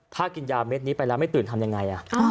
ถ้ากินยาเม็ดนี้ไปแล้วไม่ตื่นทำยังไง